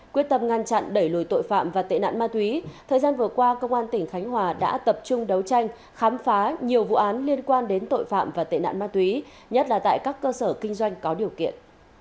quyết tâm ngăn chặn đẩy lùi tội phạm và tệ nạn ma túy thời gian vừa qua công an tỉnh khánh hòa đã tập trung đấu tranh khám phá nhiều vụ án liên quan đến tội phạm và tệ nạn ma túy nhất là tại các cơ sở kinh doanh có điều kiện